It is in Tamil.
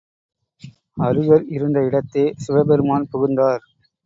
அருகர் இருந்த இடத்தே சிவபெருமான் புகுந்தார்.